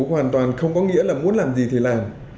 hoàn toàn không có nghĩa là muốn làm gì thì làm